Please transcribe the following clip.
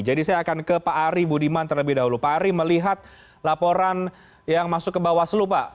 jadi saya akan ke pak ari budiman terlebih dahulu pak ari melihat laporan yang masuk ke bawaslu pak